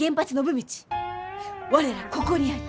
我らここにあり。